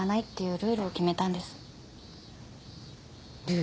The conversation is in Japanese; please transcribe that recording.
ルールね。